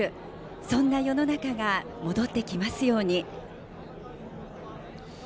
そんな世の中が戻ってきますように。